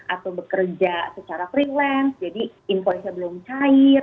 atau bekerja secara freelance jadi invoice nya belum cair